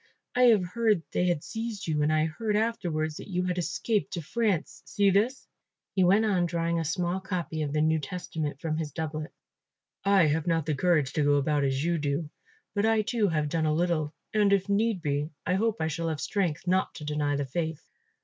I have heard they had seized you and I heard afterwards that you had escaped to France, see this," he went on, drawing a small copy of the New Testament from his doublet. "I have not the courage to go about as you do; but I too have done a little, and, if need be, I hope I shall have strength not to deny the faith."